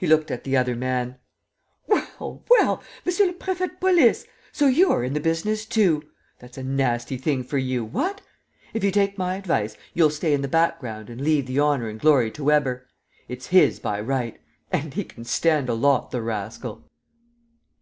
He looked at the other man: "Well, well, Monsieur le Préfet de Police, so you are in the business too! That's a nasty thing for you, what? If you take my advice, you'll stay in the background and leave the honor and glory to Weber! It's his by right! ... And he can stand a lot, the rascal!"